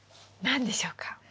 何でしょうか？